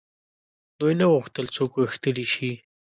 دوی نه غوښتل څوک غښتلي شي.